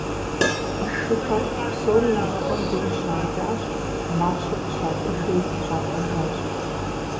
Шыхэр псори зы щӏыпӏэм деж щаукӏащ, мащи къыщатӏыжри щӏатӏэжащ.